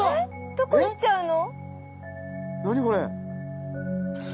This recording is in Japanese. どこ行っちゃうの？